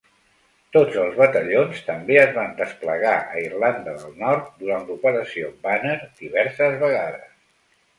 Tots els batallons també es van desplegar a Irlanda del Nord durant l'operació Banner diverses vegades.